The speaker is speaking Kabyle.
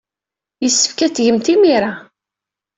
Yessefk ad t-tgemt imir-a.